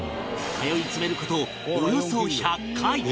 通い詰める事およそ１００回